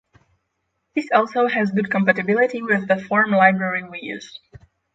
This also has good compatiblity with the form library we use